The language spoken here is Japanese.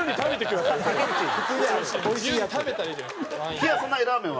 冷やさないラーメンは？